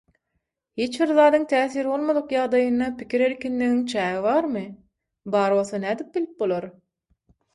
Hiçbir zadyň täsiri bolmadyk ýagdaýynda pikir erkinliginiň çägi barmy, bar bolsa nädip bilip bolar?